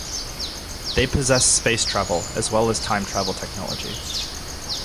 They possess space travel, as well time travel technology.